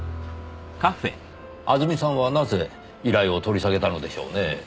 あずみさんはなぜ依頼を取り下げたのでしょうねぇ。